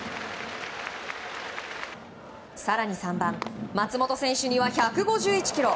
更に３番、松本選手には１５１キロ。